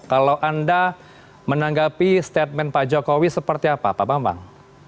kalau anda menanggapi statement pak jokowi seperti apa pak bambang